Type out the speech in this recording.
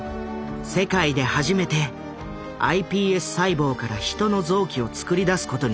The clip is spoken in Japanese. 世界で初めてｉＰＳ細胞からヒトの臓器をつくりだすことに成功した。